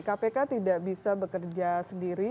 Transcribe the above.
kpk tidak bisa bekerja sendiri